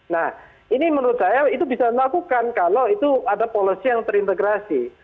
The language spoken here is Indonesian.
nah ini menurut saya itu bisa dilakukan kalau itu ada policy yang terintegrasi